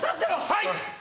はい。